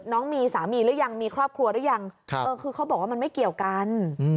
น้องมีสามีหรือยังมีครอบครัวหรือยังคือเขาบอกว่ามันไม่เกี่ยวกัน